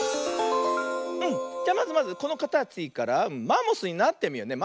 じゃまずまずこのかたちからマンモスになってみようね。